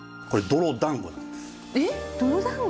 えっ泥だんご？